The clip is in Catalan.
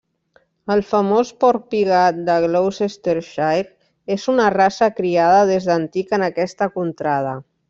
El famós porc pigat de Gloucestershire és una raça criada des d'antic en aquesta contrada.